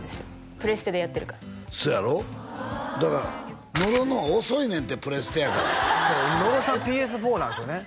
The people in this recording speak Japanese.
プレステでやってるからそうやろだから野呂のは遅いねんってプレステやから野呂さんＰＳ４なんですよね